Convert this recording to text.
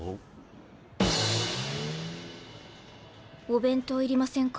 お弁当要りませんか？